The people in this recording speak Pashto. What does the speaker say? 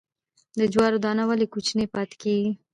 د جوارو دانه ولې کوچنۍ پاتې کیږي؟